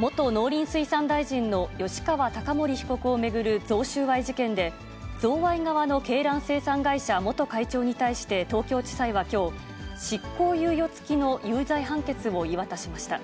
元農林水産大臣の吉川貴盛被告を巡る贈収賄事件で、贈賄側の鶏卵生産会社元会長に対して、東京地裁はきょう、執行猶予付きの有罪判決を言い渡しました。